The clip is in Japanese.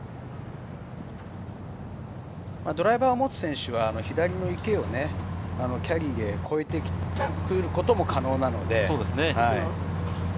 ドライバーを持つ選手は左の池をキャリーで越えてくることも可能なので。